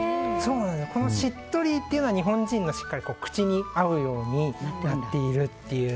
このしっとりっていうのは日本人の口に合うようになっているという。